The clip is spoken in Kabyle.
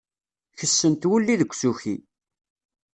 Kessent wulli deg usuki.